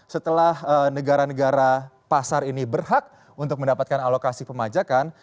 setelah negara negara pasar ini berhak untuk mendapatkan alokasi pemajakan